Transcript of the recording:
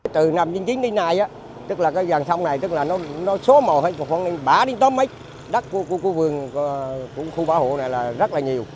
từ năm hai nghìn một mươi chín đến nay dòng sông này số một bả đến tóm mấy đất của vườn khu bảo hộ này rất là nhiều